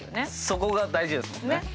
そこが大事ですもんね。